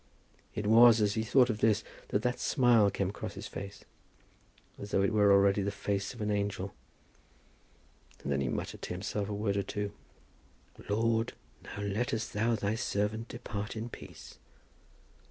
It was as he thought of this that that smile came across his face, as though it were already the face of an angel. And then he muttered to himself a word or two. "Lord, now lettest Thou Thy servant depart in peace.